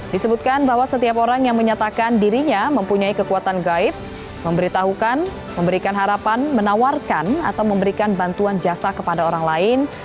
disebutkan bahwa setiap orang yang menyatakan dirinya mempunyai kekuatan gaib memberitahukan memberikan harapan menawarkan atau memberikan bantuan jasa kepada orang lain